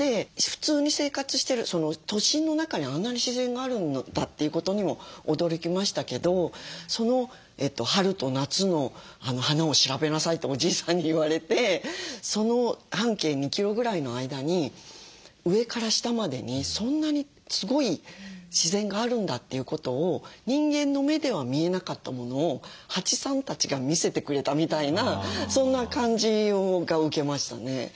普通に生活してる都心の中にあんなに自然があるんだっていうことにも驚きましたけど春と夏の花を調べなさいっておじいさんに言われて半径２キロぐらいの間に上から下までにそんなにすごい自然があるんだということを人間の目では見えなかったものを蜂さんたちが見せてくれたみたいなそんな感じを受けましたね。